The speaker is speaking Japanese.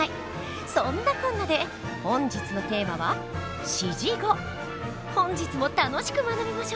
そんなこんなで本日のテーマは本日も楽しく学びましょう。